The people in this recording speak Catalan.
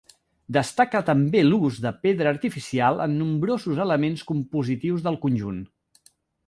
Destaca també l'ús de pedra artificial en nombrosos elements compositius del conjunt.